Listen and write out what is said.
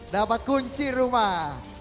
dapat kunci rumah